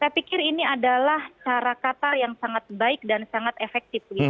saya pikir ini adalah cara kata yang sangat baik dan sangat efektif